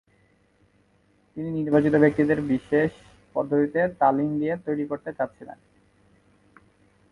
তিনি নির্বাচিত ব্যক্তিদের বিশেষ পদ্ধতিতে তালিম দিয়ে তৈরি করতে চাচ্ছিলেন।